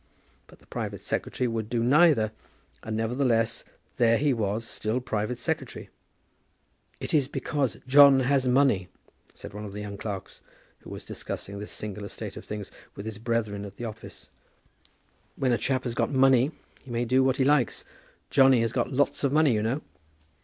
But the private secretary would do neither; and, nevertheless, there he was, still private secretary. "It's because Johnny has got money," said one of the young clerks, who was discussing this singular state of things with his brethren at the office. "When a chap has got money, he may do what he likes. Johnny has got lots of money, you know."